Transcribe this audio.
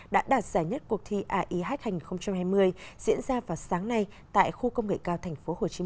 đã đạt giải nhất cuộc thi aih hành hai mươi diễn ra vào sáng nay tại khu công nghệ cao tp hcm